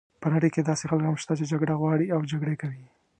په دې نړۍ کې داسې خلک هم شته چې جګړه غواړي او جګړې کوي.